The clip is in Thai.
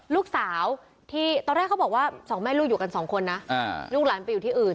ลูกสาวที่ตอนแรกเขาบอกว่าสองแม่ลูกอยู่กันสองคนนะลูกหลานไปอยู่ที่อื่น